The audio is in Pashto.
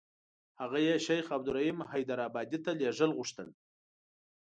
هغه یې شیخ عبدالرحیم حیدارآبادي ته لېږل غوښتل.